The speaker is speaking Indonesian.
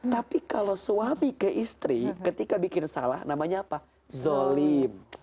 tapi kalau suami ke istri ketika bikin salah namanya apa zolim